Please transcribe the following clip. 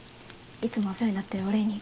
いつもお世話になってるお礼に。